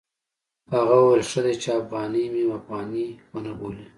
هغه وویل ښه دی چې افغاني مې افغاني ونه بولي.